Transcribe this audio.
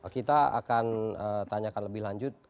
kita akan tanyakan lebih lanjut